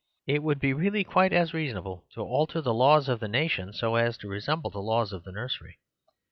It would be really quite as reasonable to alter the laws of the nation so as to resemble the The Story of the Family 75 laws of the nursery.